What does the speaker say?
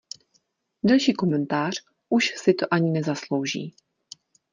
Delší komentář už si to ani nezaslouží.